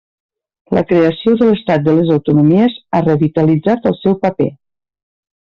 La creació de l'estat de les autonomies ha revitalitzat el seu paper.